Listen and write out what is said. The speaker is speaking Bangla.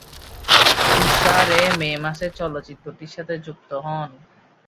ইসা রে মে মাসে চলচ্চিত্রটির সাথে যুক্ত হন।